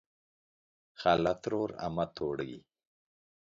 خاله ترور امه توړۍ